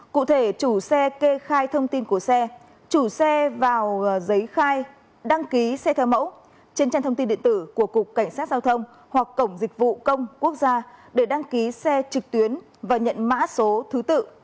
cụ thể chủ xe kê khai thông tin của xe chủ xe vào giấy khai đăng ký xe theo mẫu trên trang thông tin điện tử của cục cảnh sát giao thông hoặc cổng dịch vụ công quốc gia để đăng ký xe trực tuyến và nhận mã số thứ tự